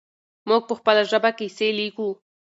موږ په خپله ژبه کیسې لیکو.